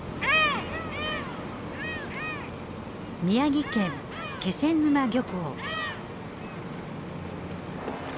宮城県気仙沼漁港。